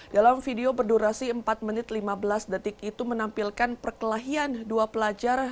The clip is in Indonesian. dalam video berdurasi empat menit lima belas detik itu menampilkan perkelahian dua pelajar